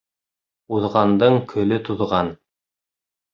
Уҙғандың көлө туҙған.